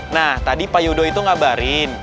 nah tadi pak yudo itu ngabarin